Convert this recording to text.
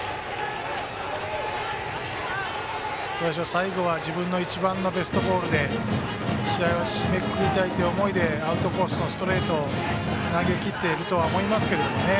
最後は自分の一番のベストボールで試合を締めくくりたいという思いでアウトコースのストレートを投げきっているとは思いますね。